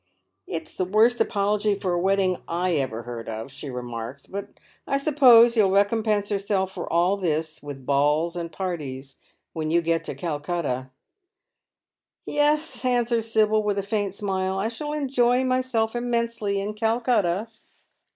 " It's the worst apology for a wedding I ever heard of," she remarks, " but I suppose you'll recompense yourself for all this with balls and parties when you get to Calcutta." " Yes," answers Sibyl, with a faint smile, " I shall enjoy myself immensely in Calcutta."